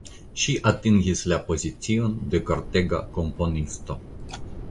Ŝi atingis la pozicion de kortega komponisto.